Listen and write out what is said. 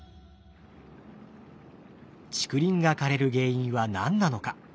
竹林が枯れる原因は何なのか？